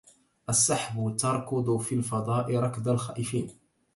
السحب تركض في الفضاء ركض الخائفين